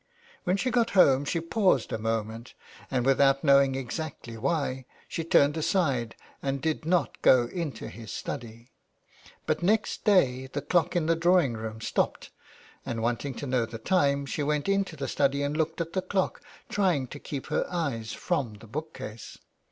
When she got home she paused a moment, and, with out knowing exactly why, she turned aside and did not go into his study. But next day the clock in the drawingroom stopped and, wanting to know the time, she went into the study and looked at the clock, trying to keep her eyes from the book case.